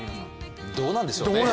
どうなんでしょうね。